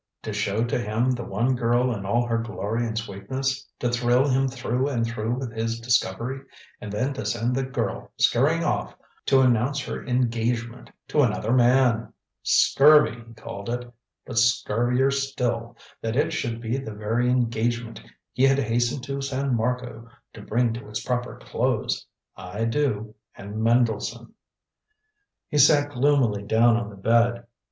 To show to him the one girl in all her glory and sweetness, to thrill him through and through with his discovery and then to send the girl scurrying off to announce her engagement to another man! Scurvy, he called it. But scurvier still, that it should be the very engagement he had hastened to San Marco to bring to its proper close "I do," and Mendelssohn. He sat gloomily down on the bed.